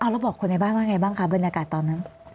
แล้วบอกคนในบ้านว่าไงบ้างเบอร์นอากาศวันนี้